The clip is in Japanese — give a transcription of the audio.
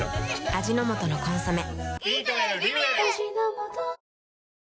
味の素の「コンソメ」